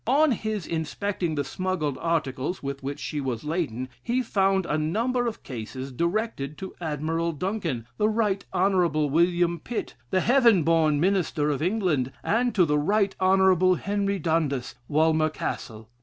"On his inspecting the smuggled articles with which she was laden, he found a number of cases directed to Admiral Duncan, the Right Honorable William Pitt, the heaven born Minister of England, and to the Right Honorable Henry Dundas, Walmer Castle.